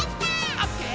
「オッケー！